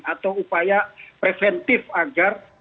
atau upaya preventif agar